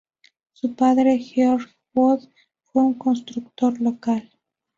Su padre, George Wood fue un constructor local.